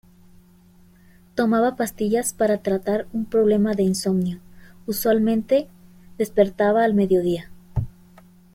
Tomaba pastillas para tratar un problema de insomnio, usualmente despertaba al mediodía.